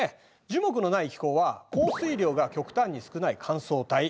樹木のない気候は降水量が極端に少ない乾燥帯。